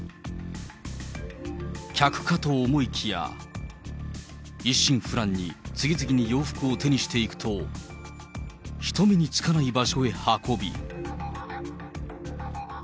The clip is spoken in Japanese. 客かと思いきや、一心不乱に次々に洋服を手にしていくと、人目につかない場所へ運び。